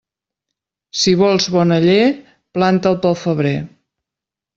Si vols bon aller, planta'l pel febrer.